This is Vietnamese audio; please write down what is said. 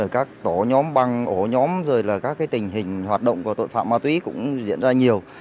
các tổ nhóm băng ổ nhóm rồi là các tình hình hoạt động của tội phạm ma túy cũng diễn ra nhiều